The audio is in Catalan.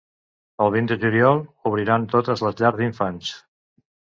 El vint de juliol obriran totes les llars d’infants.